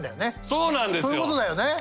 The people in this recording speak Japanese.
そういうことだよね。